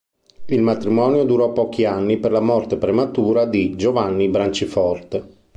Il matrimonio durò pochi anni per la morte prematura di Giovanni Branciforte.